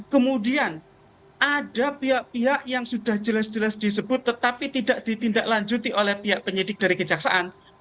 kemudian ada pihak pihak yang sudah jelas jelas disebut tetapi tidak ditindaklanjuti oleh pihak penyidik dari kejaksaan